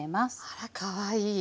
あらかわいい！